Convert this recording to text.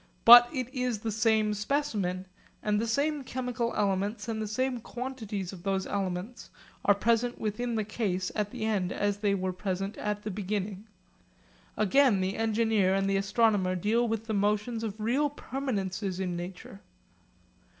But it is the same specimen; and the same chemical elements and the same quantities of those elements are present within the case at the end as were present at the beginning. Again the engineer and the astronomer deal with the motions of real permanences in nature.